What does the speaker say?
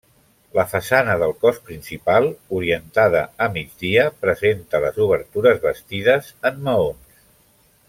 La façana del cos principal, orientada a migdia, presenta les obertures bastides en maons.